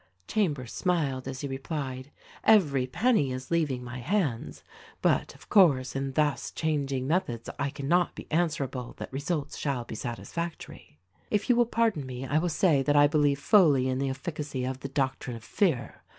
Chambers smiled as he replied, "Every penny is leaving my hands. Rut, of course, in thus changing methods I can not be answerable that results shall be satisfactory. If you will pardon me I will say that I believe fully in the efficacy of the doctrine of fear.